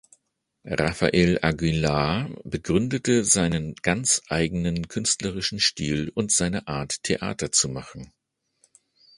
Rafael Aguilar begründete seinen ganz eigenen künstlerischen Stil und seine Art, Theater zu machen.